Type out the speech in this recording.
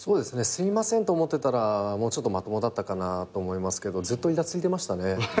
すいませんと思ってたらもうちょっとまともだったかなと思いますけどずっといらついてましたね。